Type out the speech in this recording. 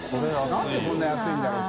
何でこんなに安いんだろう？